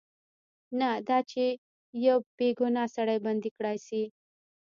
نه دا چې یو بې ګناه سړی بندي کړای شي.